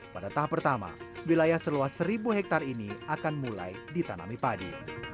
pada tahap pertama wilayah seluas seribu hektare ini akan mulai ditanami padi